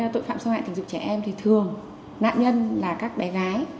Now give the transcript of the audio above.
tội phạm xâm hại tình dục trẻ em thì thường nạn nhân là các bé gái